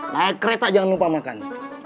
naik kereta jangan lupa makan